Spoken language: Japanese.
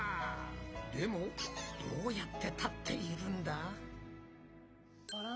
でもどうやって建っているんだ？